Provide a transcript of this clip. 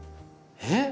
えっ！